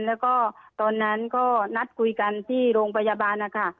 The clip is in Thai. แล้วก็ตอนนั้นก็นัดคุยกันที่โรงพยาบาลนะคะ